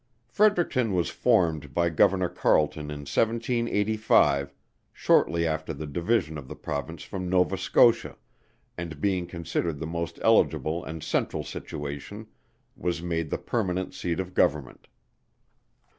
Fredericton was formed by Governor CARLETON in 1785, shortly after the division of the Province from Nova Scotia, and being considered the most eligible and central situation, was made the permanent Seat of Government.